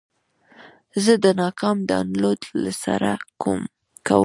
زه د ناکام ډاونلوډ له سره کوم.